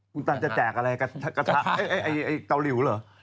คุณตันจะแจกอะไรกระทะไอ้เตาหลิวเหรอ